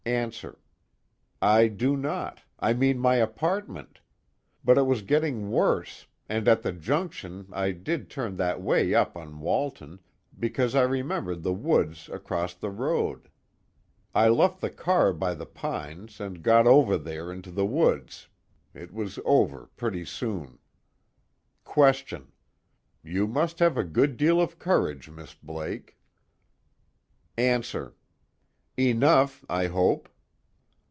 ANSWER: I do not, I mean my apartment. But it was getting worse, and at the junction I did turn that way on Walton, because I remembered the woods across the road. I left the car by the pines, and got over there, into the woods. It was over pretty soon. QUESTION: You must have a good deal of courage, Miss Blake. ANSWER: Enough, I hope.